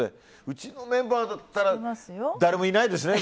うちのメンバーだったら誰もいないですね。